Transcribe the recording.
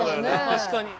確かに。